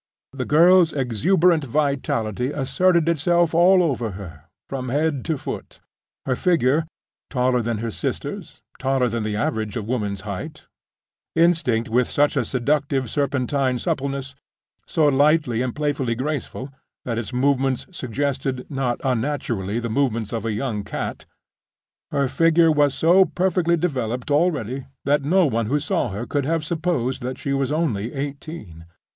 The girl's exuberant vitality asserted itself all over her, from head to foot. Her figure—taller than her sister's, taller than the average of woman's height; instinct with such a seductive, serpentine suppleness, so lightly and playfully graceful, that its movements suggested, not unnaturally, the movements of a young cat—her figure was so perfectly developed already that no one who saw her could have supposed that she was only eighteen.